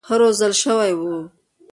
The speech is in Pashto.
ښه روزل شوي وو.